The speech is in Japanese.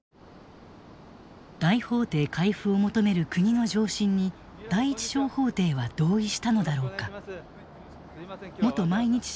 大法廷回付を求める国の上申に第一小法廷は同意したのだろうか。